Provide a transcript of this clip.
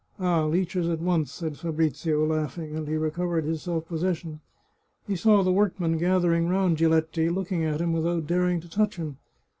" Ah, leeches at once," said Fabrizio, laughing, and he recovered all his self possession. He saw the workmen gathering round Giletti, looking at him without daring to touch him.